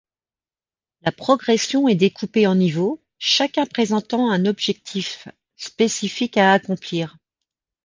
La progression est découpé en niveaux, chacun présentant un objectif spécifique à accomplir.